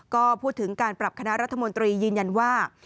ก็พูดถึงการปรับคณะรัฐมนตรียืนยันว่า